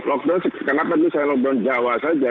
lockdown kenapa ini saya lockdown jawa saja